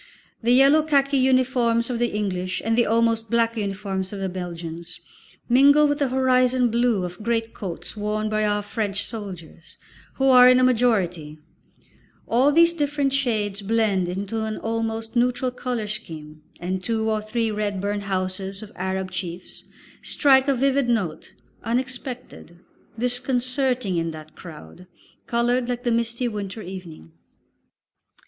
The yellow khaki uniforms of the English and the almost black uniform of the Belgians mingle with the "horizon" blue of great coats worn by our French soldiers, who are in a majority; all these different shades blend into an almost neutral colour scheme, and two or three red burnouses of Arab chiefs strike a vivid note, unexpected, disconcerting, in that crowd, coloured like the misty winter evening.